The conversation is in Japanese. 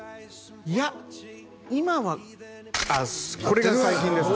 いや今はこれが最近ですね